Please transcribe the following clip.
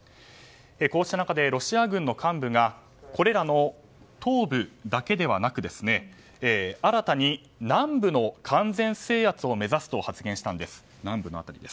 こうした中で、ロシア軍の幹部がこれらの東部だけではなく新たに南部の完全制圧を目指すと発言したんです。